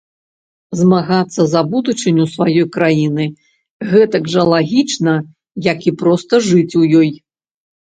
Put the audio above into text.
Змагацца за будучыню сваёй краіны гэтак жа лагічна, як і проста жыць у ёй.